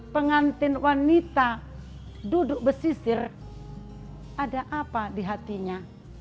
pengantin wanita duduk besisir ada apa di hatinya